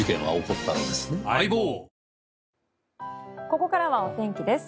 ここからはお天気です。